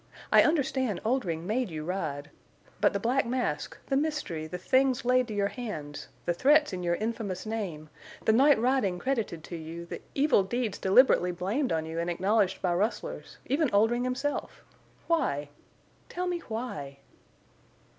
I understand Oldring made you ride. But the black mask—the mystery—the things laid to your hands—the threats in your infamous name—the night riding credited to you—the evil deeds deliberately blamed on you and acknowledged by rustlers—even Oldring himself! Why? Tell me why?"